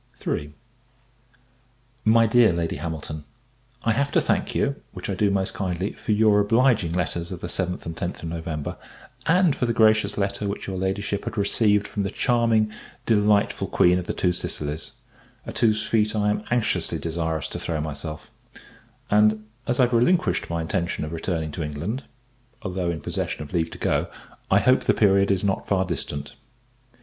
MY DEAR LADY HAMILTON, I have to thank you, which I do most kindly, for your obliging letters of the 7th and 10th of November; and for the gracious letter which your Ladyship had received from the charming, delightful Queen of the Two Sicilies, at whose feet I am anxiously desirous to throw myself: and, as I have relinquished my intention of returning to England, (although in possession of leave to go) I hope the period is not far distant.